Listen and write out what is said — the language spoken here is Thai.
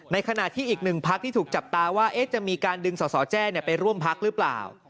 ขณะที่อีกหนึ่งพักที่ถูกจับตาว่าจะมีการดึงสอสอแจ้ไปร่วมพักหรือเปล่า